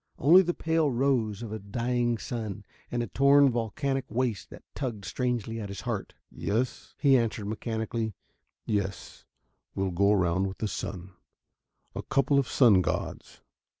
Only the pale rose of a dying sun, and a torn, volcanic waste that tugged strangely at his heart. "Yes," he answered mechanically, "yes, we'll go round with the sun ... a couple of sun gods."